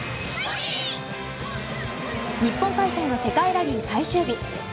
日本開催の世界ラリー最終日。